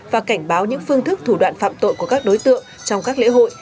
và cảnh báo những phương thức thủ đoạn phạm tội của các đối tượng trong các lễ hội